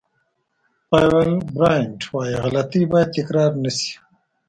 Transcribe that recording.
پایول براینټ وایي غلطۍ باید تکرار نه شي.